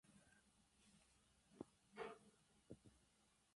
El nuevo siglo en Nerja es una etapa de crecimiento.